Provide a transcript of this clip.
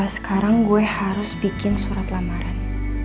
sekarang gue harus bikin surat lamaran